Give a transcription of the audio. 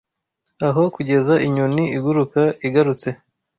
Aho, kugeza inyoni iguruka igarutse